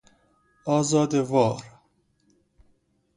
آزاده وار